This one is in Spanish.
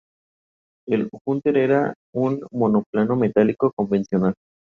Flores de color blanco.